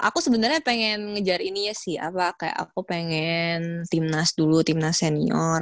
aku sebenarnya pengen ngejar ini ya sih apa kayak aku pengen timnas dulu timnas senior